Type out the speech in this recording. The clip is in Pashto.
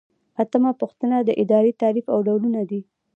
اتمه پوښتنه د ادارې تعریف او ډولونه دي.